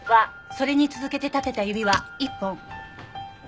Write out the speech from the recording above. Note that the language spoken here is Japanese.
それに続けて立てた指は１本。